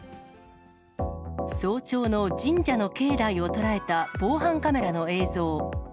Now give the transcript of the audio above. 早朝の神社の境内を捉えた防犯カメラの映像。